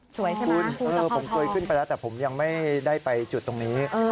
ใช่ไหมคุณผมเคยขึ้นไปแล้วแต่ผมยังไม่ได้ไปจุดตรงนี้